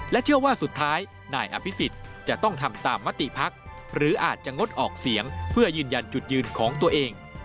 เชื่อว่าสุดท้ายนายอภิษฎจะต้องทำตามมติภักดิ์หรืออาจจะงดออกเสียงเพื่อยืนยันจุดยืนของตัวเอง